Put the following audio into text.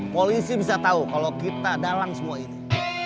polisi bisa tahu kalau kita dalang semua ini